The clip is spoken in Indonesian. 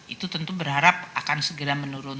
itu tentu berharap akan segera menurun